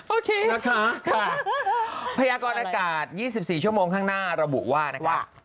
โอเคค่ะพระยากรอดอากาศ๒๔ชั่วโมงข้างหน้าระบุว่านะคะว่า